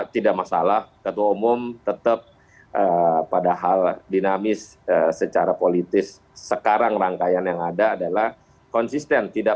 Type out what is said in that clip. tidak masalah ketua umum tetap padahal dinamis secara politis sekarang rangkaian yang ada adalah konsisten tidak